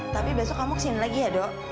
tapi besok kamu kesini lagi ya dok